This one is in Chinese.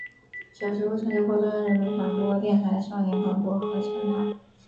小时候参加过中央人民广播电台少年广播合唱团。